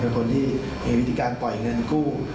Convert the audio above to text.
คนที่มีวิธีการปล่อยเงินกู้